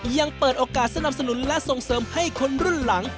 ยังเปิดโอกาสสนับสนุนและส่งเสริมให้คนรุ่นหลัง